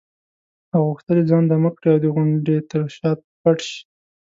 او غوښتل یې ځان دمه کړي او د غونډې تر شا پټ شي.